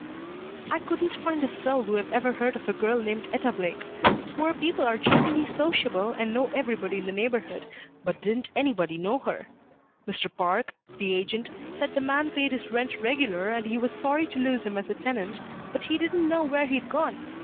"I couldn't find a soul who'd ever heard of a girl named Etta Blake. Poor people are generally sociable and know everybody in the neighborhood, but didn't anybody know her. Mr. Parke, the agent, said the man paid his rent regular and he was sorry to lose him as a tenant, but he didn't know where he'd gone.